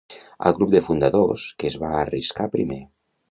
Al grup de fundadors, que es va arriscar primer.